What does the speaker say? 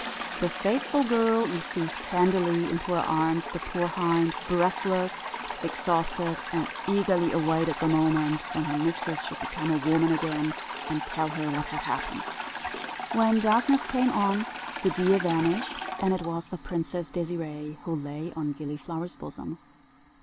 The faithful girl received tenderly into her arms the poor hind, breathless, exhausted; and eagerly awaited the moment when her mistress should become a woman again, and tell her what had happened. When darkness came on, the deer vanished, and it was the Princess Désirée who lay on Gilliflower's bosom.